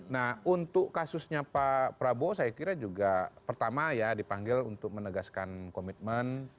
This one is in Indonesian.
nah untuk kasusnya pak prabowo saya kira juga pertama ya dipanggil untuk menegaskan komitmen